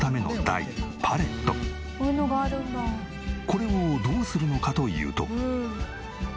これをどうするのかというと。